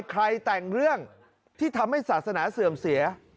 ใครแต่งเรื่องที่ทำให้ศาสนาเสื่อมเสีย